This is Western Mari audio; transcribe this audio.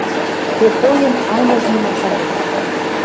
Покойым ам уж нимаханьым».